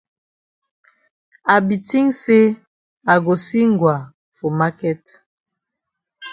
I be tink say I go see Ngwa for maket.